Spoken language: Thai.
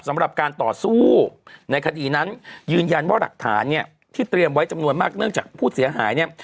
สำหรับการต่อสู้ในคดีนั้นยืนยันว่าหลักฐานเนี่ยที่เตรียมไว้จำนวนมากเนื่องจากผู้เสียหายเนี่ย